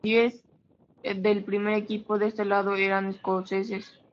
Diez del primer equipo en ese lado eran escoceses.